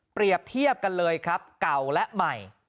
เทียบกันเลยครับเก่าและใหม่